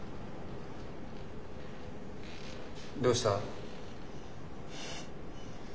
どうした？